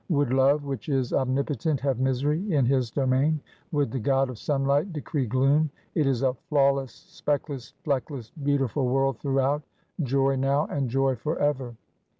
Would Love, which is omnipotent, have misery in his domain? Would the god of sunlight decree gloom? It is a flawless, speckless, fleckless, beautiful world throughout; joy now, and joy forever!